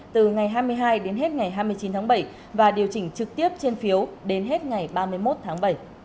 từ ngày hai mươi hai đến hết ngày hai mươi chín tháng bảy và điều chỉnh trực tiếp trên phiếu đến hết ngày ba mươi một tháng bảy